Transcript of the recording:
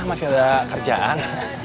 masih ada kerjaan